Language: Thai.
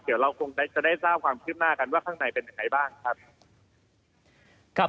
เดี๋ยวเราก็จะได้เจ้าความคิดหน้ากันว่าข้างในเป็นไหนบ้างครับ